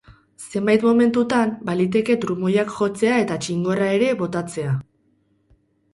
Zenbait momentutan baliteke trumoiak jotzea eta txingorra ere botatzea.